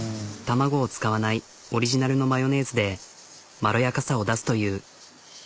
卵を使わないオリジナルのマヨネーズでまろやかさを出すという。